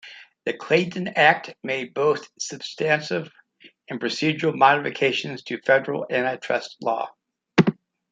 The Clayton Act made both substantive and procedural modifications to federal antitrust law.